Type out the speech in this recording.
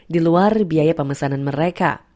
di luar biaya pemesanan mereka